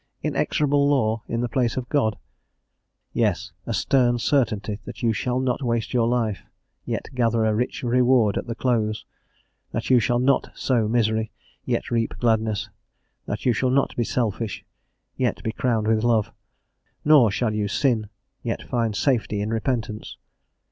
Inexorable law in the place of God? Yes: a stern certainty that you shall not waste your life, yet gather a rich reward at the close; that you shall not sow misery, yet reap gladness; that you shall not be selfish, yet be crowned with love, nor shall you sin, yet find safety in repentance.